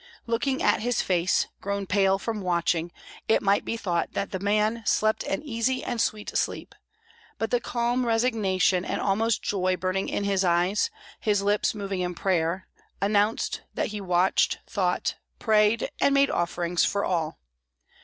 Looking at his face, grown pale from watching, it might be thought that that man slept an easy and sweet sleep; but the calm resignation and almost joy burning in his eyes, his lips moving in prayer, announced that he watched, thought, prayed, and made offerings for all.